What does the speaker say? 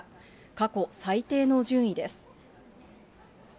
過去最低の順位です。